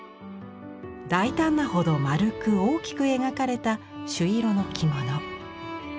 大胆なほど丸く大きく描かれた朱色の着物。